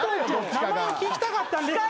名前を聞きたかったんですけど。